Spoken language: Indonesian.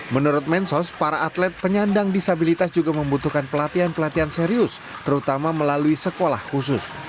menurut mensos para atlet penyandang disabilitas juga membutuhkan pelatihan pelatihan serius terutama melalui sekolah khusus